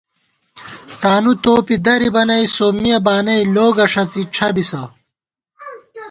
تانُوتوپی درِبہ نئ سومِیہ بانَئ لوگہ ݭَڅی ڄھبِسہ